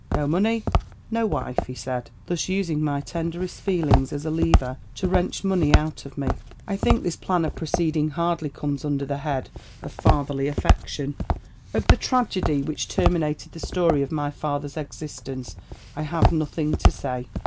No money, no wife, he said — thus using my tenderest feelings as a lever to wrench money out of me. I think this plan of proceeding hardly comes under the head of fatherly aiiection. " Of the tragedy which terminated the story of my father's existence I have nothing to say.